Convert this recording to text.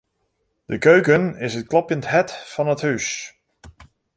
De keuken is it klopjend hert fan it hús.